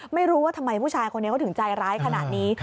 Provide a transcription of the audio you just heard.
ไม่รู้ว่าทำไมผู้ชายคนนี้เขาถึงใจร้ายขนาดนี้